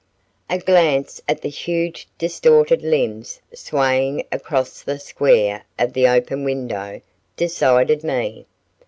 A glance at the huge distorted limbs swaying across the square of the open window decided me.